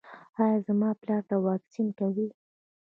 ایا زما پلار ته واکسین کوئ؟